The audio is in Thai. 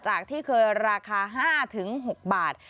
ที่เคยราคา๕๖บาท